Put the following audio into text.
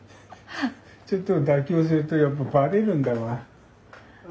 ちょっと妥協するとやっぱばれるんだわ。